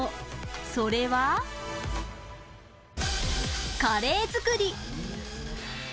それは、カレー作り。